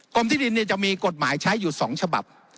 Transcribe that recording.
กรมที่ดินเนี่ยจะมีกฎหมายใช้อยู่สองฉบับ